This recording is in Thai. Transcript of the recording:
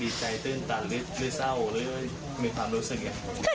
ดีใจตื่นตันและเศร้าและมีความรู้สึกอย่าง